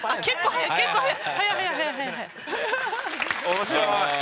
面白い！